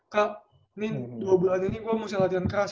kak ini dua bulan ini gue harusnya latihan keras